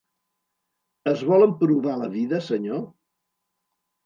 Es vol emprovar la vida, senyor?